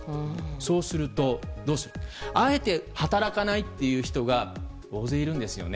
そうするとあえて働かないという人が大勢いるんですよね。